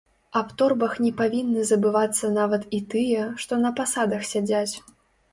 Аб торбах не павінны забывацца нават і тыя, што на пасадах сядзяць.